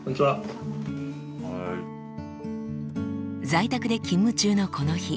在宅で勤務中のこの日。